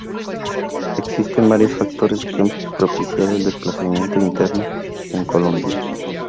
Existen varios factores que han propiciado el desplazamiento interno en Colombia.